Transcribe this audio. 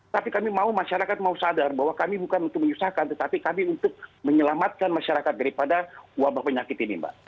tapi kami mau masyarakat mau sadar bahwa kami bukan untuk menyusahkan tetapi kami untuk menyelamatkan masyarakat daripada wabah penyakit ini mbak